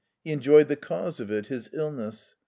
He enjoyed the cause of it, his illness.